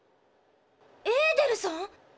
エーデルさん？